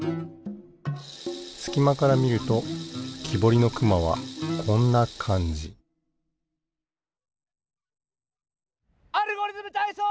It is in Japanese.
すきまからみるときぼりのくまはこんなかんじ「アルゴリズムたいそう」！